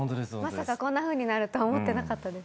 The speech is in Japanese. まさかこんなふうになるとは思ってなかったです。